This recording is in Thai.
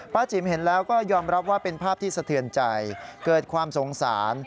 จิ๋มเห็นแล้วก็ยอมรับว่าเป็นภาพที่สะเทือนใจเกิดความสงสาร